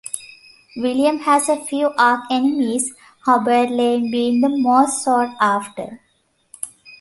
William has a few arch-enemies - Hubert Lane being the most sought after.